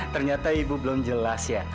ternyata ibu belum jelas ya